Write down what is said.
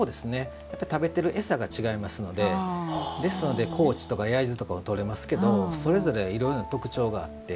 食べてる餌が違いますのでですので高知とか焼津とかでも取れますけどそれぞれいろいろな特徴があって。